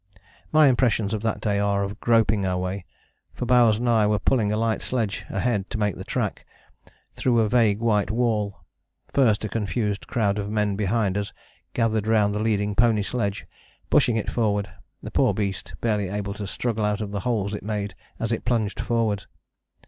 " My impressions of that day are of groping our way, for Bowers and I were pulling a light sledge ahead to make the track, through a vague white wall. First a confused crowd of men behind us gathered round the leading pony sledge, pushing it forward, the poor beast barely able to struggle out of the holes it made as it plunged forward.